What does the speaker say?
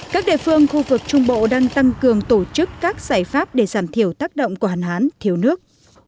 các địa phương khu vực trung bộ đang tăng cường tổ chức các giải pháp để giảm thiểu tác động của hàn hán thiếu nước